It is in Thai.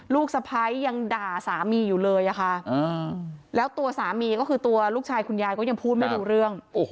สะพ้ายยังด่าสามีอยู่เลยอะค่ะแล้วตัวสามีก็คือตัวลูกชายคุณยายก็ยังพูดไม่รู้เรื่อง